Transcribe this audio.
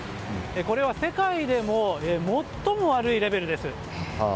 これは世界でも最も悪いレベルです。